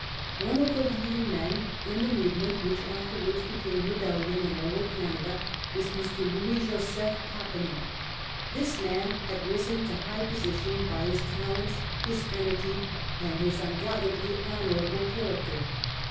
One of the leading men in the movement which afterwards became rebellion in Lower Canada, was Mr. Louis Joseph Papineau. This man had risen to high position by his talents, his energy, and his un doubtedly honourable character.